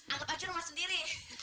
anggap aja rumah sendiri